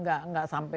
ya enggak sampai